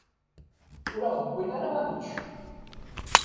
Ur aɣ-d-wwin ara ad nečč.